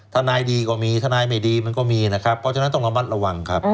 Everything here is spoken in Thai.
ทนายดีก็มีทนายไม่ดีมันก็มีนะครับเพราะฉะนั้นต้องระมัดระวังครับ